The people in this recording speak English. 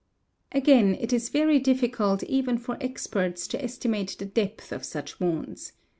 Again, it is very difficult even for experts to estimate the depth of such wounds.